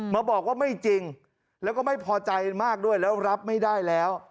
มาบอกว่าไม่จริงแล้วก็ไม่พอใจมากด้วยแล้วรับไม่ได้แล้ว